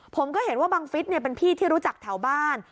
ผมก็เห็นว่าบังฟิศเป็นพี่ที่รู้จักแถวบ้าน